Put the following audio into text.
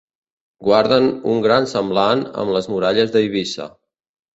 Guarden un gran semblant amb les muralles d'Eivissa.